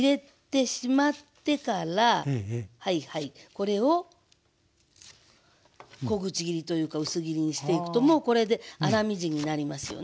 これを小口切りというか薄切りにしていくともうこれで粗みじんになりますよね。